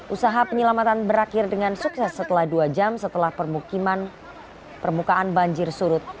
usaha penyelamatan berakhir dengan sukses setelah dua jam setelah permukaan banjir surut